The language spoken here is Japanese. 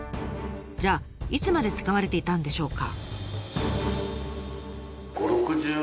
じゃあいつまで使われていたんでしょうか？